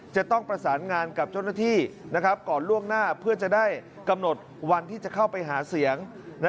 จะต้องประสานงานกับเจ้าหน้าที่ก่อนล่วงหน้าเพื่อจะได้กำหนดวันที่จะเข้าไปหาเสียง